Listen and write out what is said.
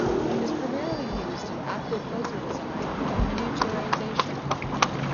It is primarily used in active filter design and miniaturization.